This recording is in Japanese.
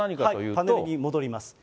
パネルに戻ります。